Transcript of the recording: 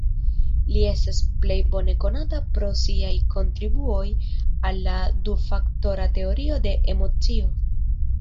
Li estas plej bone konata pro siaj kontribuoj al la du-faktora teorio de emocio.